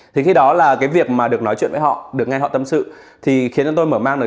thì khi đó là cái việc mà được nói chuyện với họ được nghe họ tâm sự thì khiến cho tôi mở mang được